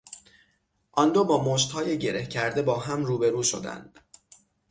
آندو با مشتهای گره کرده با هم رو به رو شدند.